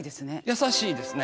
優しいですね。